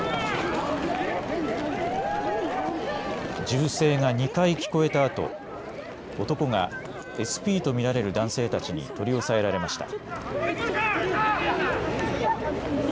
銃声が２回聞こえたあと男がＳＰと見られる男性たちに取り押さえられました。